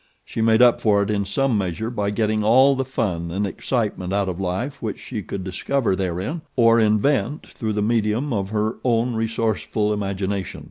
She made up for it in some measure by getting all the fun and excitement out of life which she could discover therein, or invent through the medium of her own resourceful imagination.